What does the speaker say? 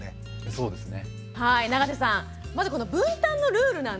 そうですね。